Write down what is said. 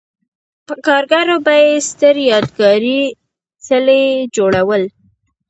په کارګرو به یې ستر یادګاري څلي جوړول.